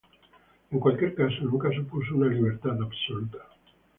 En cualquier caso, nunca supuso una libertad absoluta.